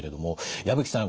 矢吹さん